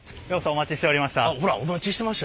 お待ちしておりました。